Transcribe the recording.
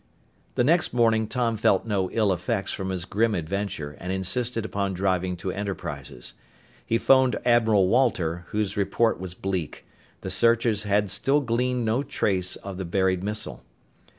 The next morning Tom felt no ill effects from his grim adventure and insisted upon driving to Enterprises. He phoned Admiral Walter, whose report was bleak the searchers had still gleaned no trace of the buried missile.